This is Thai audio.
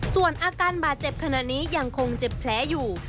ส่วนอาการบาดเจ็บขณะนี้ยังคงเจ็บแผลอยู่